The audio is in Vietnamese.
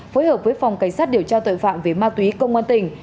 phối hợp với phòng cảnh sát điều tra tội phạm về ma túy công an tỉnh